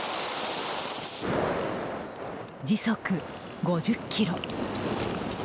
時速５０キロ。